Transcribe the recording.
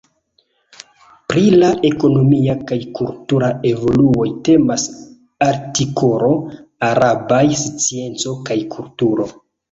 Pri la ekonomia kaj kultura evoluoj temas artikolo arabaj scienco kaj kulturo.